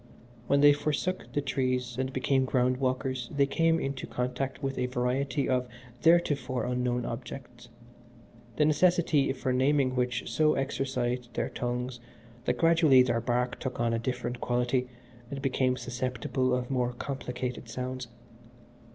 When they forsook the trees and became ground walkers they came into contact with a variety of theretofore unknown objects, the necessity for naming which so exercised their tongues that gradually their bark took on a different quality and became susceptible of more complicated sounds.